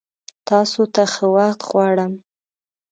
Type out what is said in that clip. تاسو ته ښه وخت غوړم!